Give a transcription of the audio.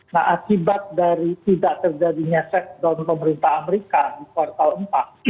nah akibat dari tidak terjadi nyesek don pemerintah amerika di kuartal empat